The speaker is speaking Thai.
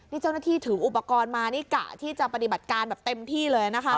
นี่เจ้าหน้าที่ถืออุปกรณ์มานี่กะที่จะปฏิบัติการแบบเต็มที่เลยนะคะ